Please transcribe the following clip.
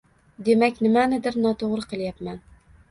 demak, nimanidir noto‘g‘ri qilayapman.